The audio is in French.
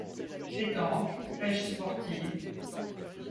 Pétanque, pêche sportive,